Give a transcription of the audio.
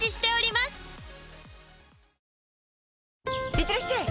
いってらっしゃい！